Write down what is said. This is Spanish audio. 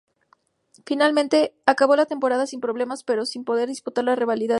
Finalmente acabó la temporada sin problemas, pero sin poder disputar la reválida del título.